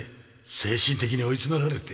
精神的に追い詰められて。